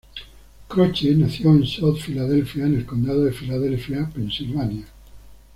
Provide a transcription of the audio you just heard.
Croce nació en South Philadelphia, en el condado de Filadelfia, Pensilvania.